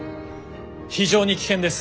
非常に危険です。